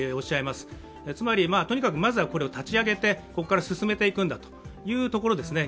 つまりとにかくまずはこれを立ち上げて、ここから進めていくんだということですね。